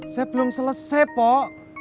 saya belum selesai pok